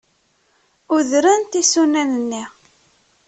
Udrent isunan-nni.